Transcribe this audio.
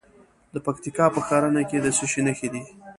د پکتیکا په ښرنه کې د څه شي نښې دي؟